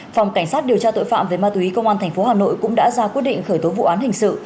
phòng cảnh sát điều tra tội phạm về ma túy công an tp hà nội cũng đã ra quyết định khởi tố vụ án hình sự